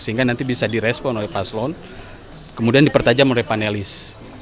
sehingga nanti bisa direspon oleh paslon kemudian dipertajam oleh panelis